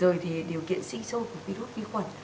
rồi thì điều kiện sinh sôi của virus vi khuẩn